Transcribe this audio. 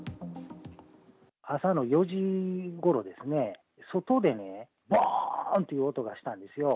朝の４時ごろですね、外でね、ぼーんという音がしたんですよ。